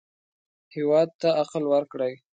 هېواد ته عقل ورکړئ